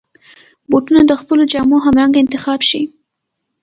بوټونه د خپلو جامو همرنګ انتخاب شي.